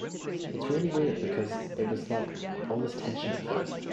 It's really weird because it was like all this tension at first.